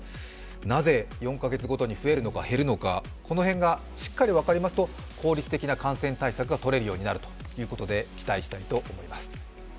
なぜ４カ月ごとに増えるのか減るのかこの辺がしっかり分かりますと効率的な感染対策がとれることになるということで期待したいと思います。